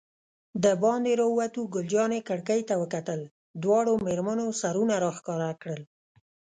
دباندې راووتو، ګل جانې کړکۍ ته وکتل، دواړو مېرمنو سرونه را ښکاره کړل.